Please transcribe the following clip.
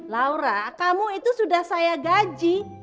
laura kamu itu sudah saya gaji